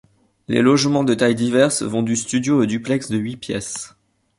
Les logements de tailles diverses vont du studio au duplex de huit pièces.